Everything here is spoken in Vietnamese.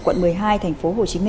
quận một mươi hai tp hcm